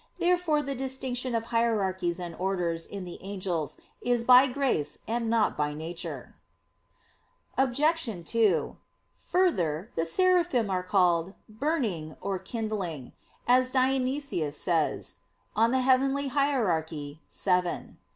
Therefore the distinction of hierarchies and orders in the angels is by grace, and not by nature. Obj. 2: Further, the Seraphim are called "burning" or "kindling," as Dionysius says (Coel. Hier. vii).